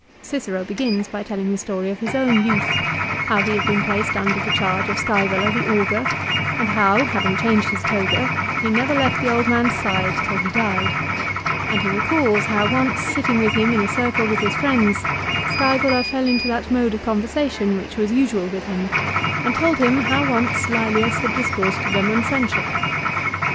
Cicero begins by telling the story of his own youth ; how he had been placed under the charge of Scsevola the augur, and how, having changed his toga, he never left the old man's side till he died ; and he recalls how once sitting witli him in a circle w T ith friends, Scsevola fell into that mode of conversation which was usual with him, and told him how once Lselius had discoursed to them on friendship.